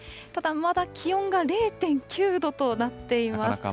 ただ、まだ気温が０．９度となっています。